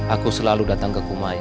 aku selalu datang ke kumai